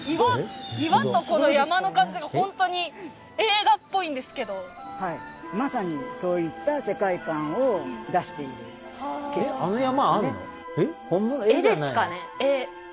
岩とこの山の感じがホントに映画っぽいんですけどはいまさにそういった世界観を出している景色なんですよねえっ本物？